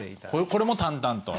これも淡々と。